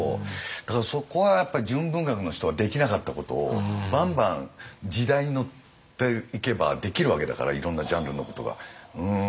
だからそこはやっぱり純文学の人ができなかったことをバンバン時代に乗っていけばできるわけだからいろんなジャンルのことが。